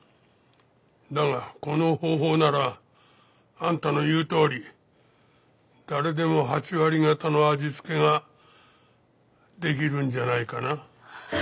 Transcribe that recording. だがこの方法ならあんたの言うとおり誰でも８割方の味付けができるんじゃないかな。